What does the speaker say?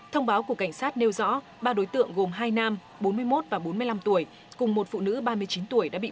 thông báo của cảnh sát nêu rõ ba đối tượng gồm hai nam bốn mươi một và bốn mươi năm tuổi cùng một phụ nữ ba mươi chín tuổi đã bị